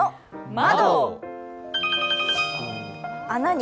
窓！